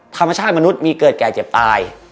ธรรมชาติมนุษย์มีเกิดแก่เจ็บตาย